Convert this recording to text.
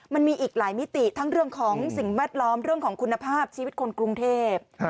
มันมีอีกหลายมิติทั้งเรื่องของสิ่งแวดล้อมเรื่องของคุณภาพชีวิตคนกรุงเทพ